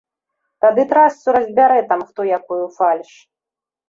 Тады трасцу разбярэ там хто якую фальш.